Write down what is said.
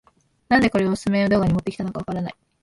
なんでこれをオススメ動画に持ってきたのかわからない